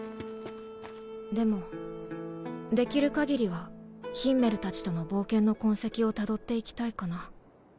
でもできる限りはヒンメルたちとの冒険の痕跡をたどっていきたいかな。